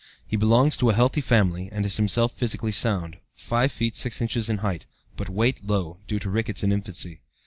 He belongs to a healthy family, and is himself physically sound, 5 feet 6 inches in height, but weight low, due to rickets in infancy.